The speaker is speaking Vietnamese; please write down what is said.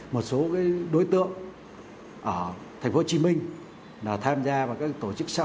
một số đối tượng ở thành phố hồ chí minh tham gia vào các tổ chức xã hội dân sự